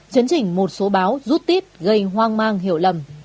chấn chỉnh một số báo rút tiếp gây hoang mang hiểu lầm